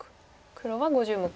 黒は５０目。